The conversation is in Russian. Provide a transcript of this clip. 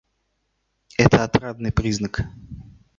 Это отрадный признак.